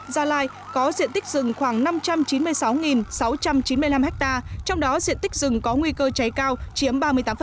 gia lai có diện tích rừng khoảng năm trăm chín mươi sáu sáu trăm chín mươi năm ha trong đó diện tích rừng có nguy cơ cháy cao chiếm ba mươi tám